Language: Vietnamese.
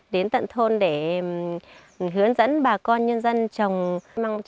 đến tận thôn để hướng dẫn bà con nhân dân trồng tre băng bắt độ